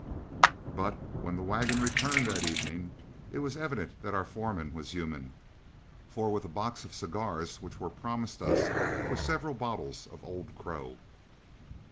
But when the wagon returned that evening, it was evident that our foreman was human, for with a box of cigars which were promised us were several bottles of Old Crow.